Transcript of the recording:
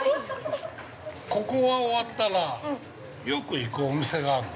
ここは終わったらよく行くお店があるの。